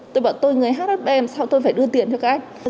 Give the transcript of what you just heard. tôi bảo tôi người hhb sao tôi phải đưa tiền cho cái anh